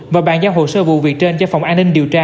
và bàn giao hồ sơ vụ việc trên cho phòng an ninh điều tra